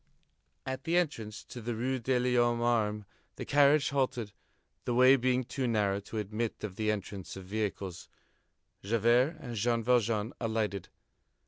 At the entrance to the Rue de l'Homme Armé, the carriage halted, the way being too narrow to admit of the entrance of vehicles. Javert and Jean Valjean alighted.